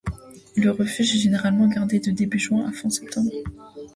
Le refuge est généralement gardé de début juin à fin septembre.